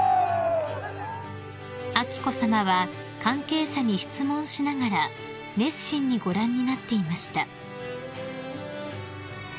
［彬子さまは関係者に質問しながら熱心にご覧になっていました］